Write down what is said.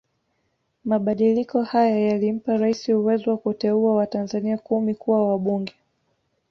Mabadiliko hayo yalimpa Raisi uwezo wa kuteua watanzania kumi kuwa wabunge